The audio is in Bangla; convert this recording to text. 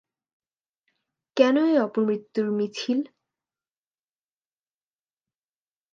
কেন এ অপমৃত্যুর মিছিল?